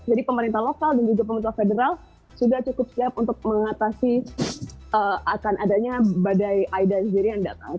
jadi pemerintah lokal dan juga pemerintah federal sudah cukup siap untuk mengatasi akan adanya badai aida sendiri yang datang